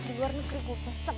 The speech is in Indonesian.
di luar negeri gue pesan